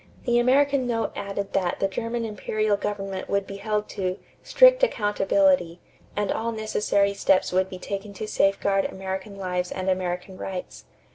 The American note added that the German imperial government would be held to "strict accountability" and all necessary steps would be taken to safeguard American lives and American rights.